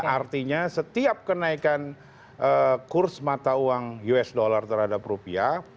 artinya setiap kenaikan kurs mata uang usd terhadap rupiah